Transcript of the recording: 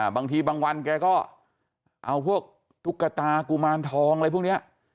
บางทีบางวันแกก็เอาพวกตุ๊กตากุมารทองอะไรพวกนี้